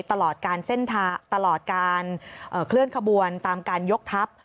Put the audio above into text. ตลอดการเคลื่อนขบวนตามการยกทัพ